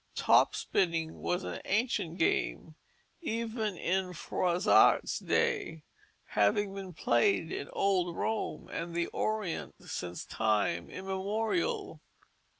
Top spinning was an ancient game, even in Froissart's day, having been played in old Rome and the Orient since time immemorial.